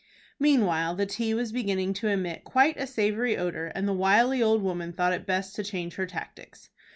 Meanwhile the tea was beginning to emit quite a savory odor, and the wily old woman thought it best to change her tactics.